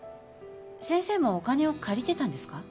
先生もお金を借りてたんですか？